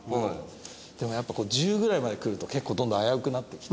でもやっぱ１０ぐらいまでくると結構どんどん危うくなってきて。